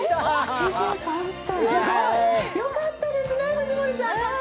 よかったですね、藤森さん。